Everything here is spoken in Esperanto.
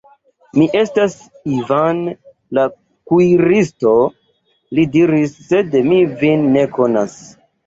Mi estas Ivan, la kuiristo, li diris, sed mi vin ne konas.